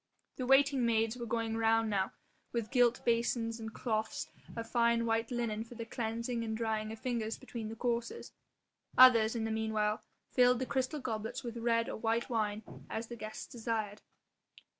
The waiting maids were going the round now with gilt basins and cloths of fine white linen for the cleansing and drying of fingers between the courses; others, in the meanwhile, filled the crystal goblets with red or white wine as the guests desired.